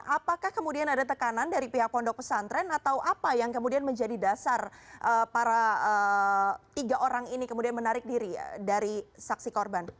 apakah kemudian ada tekanan dari pihak pondok pesantren atau apa yang kemudian menjadi dasar para tiga orang ini kemudian menarik diri dari saksi korban